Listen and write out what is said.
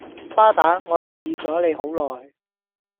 巴打我留意左你好耐